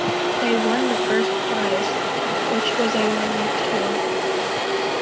They won the first prize, which was a one-week tour.